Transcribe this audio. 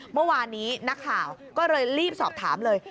เมื่อวานนี้นักข่าวก็เลยรีบสอบถามเลย